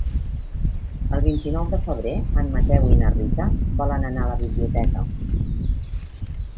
El vint-i-nou de febrer en Mateu i na Rita volen anar a la biblioteca.